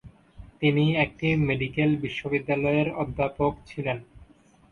তিনি একটি মেডিকেল বিশ্ববিদ্যালয়ের অধ্যাপক ছিলেন।